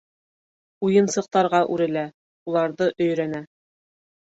Уйынсыҡтарға үрелә, уларҙы өйрәнә.